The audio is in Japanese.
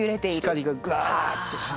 光がグワーッて。